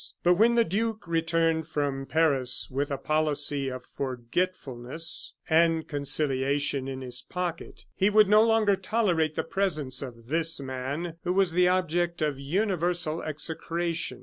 But when the duke returned from Paris with a policy of forgetfulness and conciliation in his pocket, he would no longer tolerate the presence of this man, who was the object of universal execration.